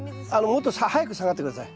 もっと早く下がって下さい。